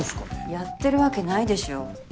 やってるわけないでしょ。